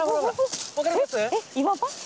分かります？